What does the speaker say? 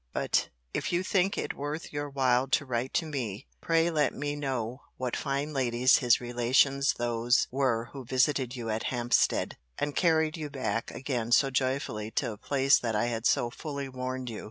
But, if you think it worth your while to write to me, pray let me know what fine ladies his relations those were who visited you at Hampstead, and carried you back again so joyfully to a place that I had so fully warned you.